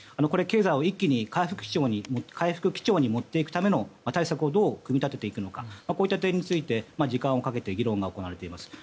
経済を一気に回復基調に持っていくための対策をどう組み立てていくのかこういった点について時間をかけて議論が行われています。